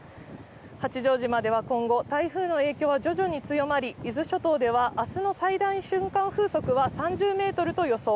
八丈島では今後、台風の影響は徐々に強まり、伊豆諸島ではあすの最大瞬間風速は３０ｍと予想。